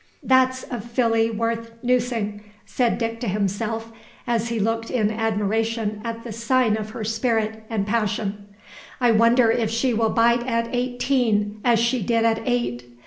"That's a filly worth noosing!" said Dick to himself, as he looked in admiration at the sign of her spirit and passion. "I wonder if she will bite at eighteen as she did at eight!